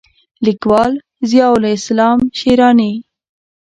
لیکوال: ضیاءالاسلام شېراني